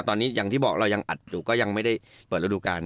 ตอนนี้อย่างที่บอกเรายังอัดอยู่ก็ยังไม่ได้เปิดระดูการ